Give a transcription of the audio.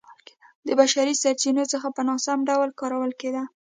د بشري سرچینو څخه په ناسم ډول کارول کېده